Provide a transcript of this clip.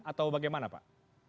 atau bagaimana pak